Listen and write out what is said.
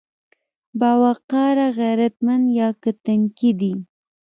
باوقاره، غيرتمن يا که تنکي دي؟